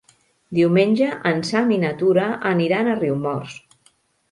Diumenge en Sam i na Tura aniran a Riumors.